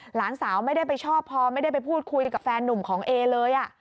หลานสาวไม่ได้ไปชอบพอไม่ได้ไปพูดคุยกับแฟนนุ่มของเอเลย